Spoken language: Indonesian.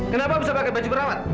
kenapa bisa pakai baju perawat